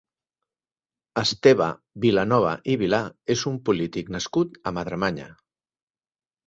Esteve Vilanova i Vilà és un polític nascut a Madremanya.